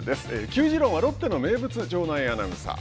球自論はロッテの名物場内アナウンサー。